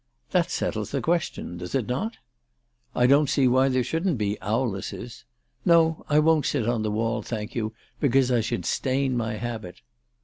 " That settles the question ; does it not ?" "I don't see why there shouldn't be Owlesses. No ; I won't sit on the wall, thank you, because I should stain my habit."